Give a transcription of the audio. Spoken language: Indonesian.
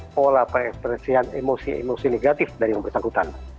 pola perekspresian emosi emosi negatif dari yang bersangkutan